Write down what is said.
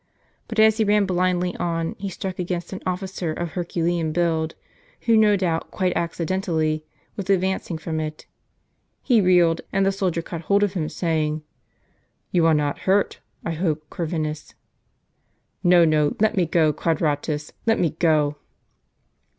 But as he ran blindly on, he struck against an of&cer of herculean build, who, no doubt quite accidentally, was advancing from it. He reeled, and the soldier caught hold of him, saying: " You are not hurt, I hope, Corvinus ?" "No, no; let me go, Quadratus, let me go."